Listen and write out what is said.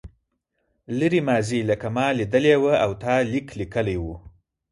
لرې ماضي لکه ما لیدلې وه او تا لیک لیکلی و.